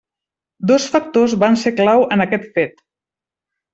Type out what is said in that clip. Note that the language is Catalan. Dos factors van ser clau en aquest fet.